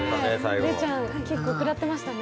礼ちゃん結構食らってましたね。